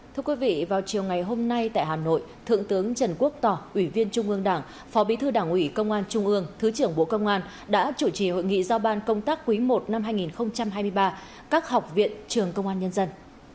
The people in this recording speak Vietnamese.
thưa quý vị vào chiều ngày hôm nay tại hà nội thượng tướng trần quốc tỏ ủy viên trung ương đảng phó bí thư đảng ủy công an trung ương thứ trưởng bộ công an đã chủ trì hội nghị giao ban công tác quý i năm hai nghìn hai mươi ba các học viện trường công an nhân dân